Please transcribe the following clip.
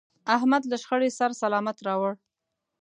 احمد له شخړې سر سلامت راوړ.